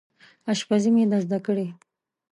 اشپزي مې ده زده کړې